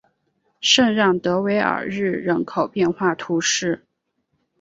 圣让德韦尔日人口变化图示